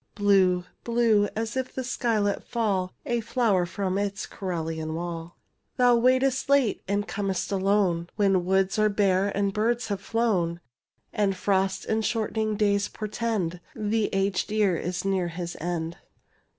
Blue— blue— as if that sky let fall A flower from its cerulean wall. 235 236 THE FRINGED GENTIAN Thou waitest late, and com'st alone, When woods are bare and birds have flown, And frost and shortening days portend The aged year is near his end.